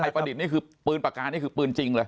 ประดิษฐ์นี่คือปืนปากกานี่คือปืนจริงเลย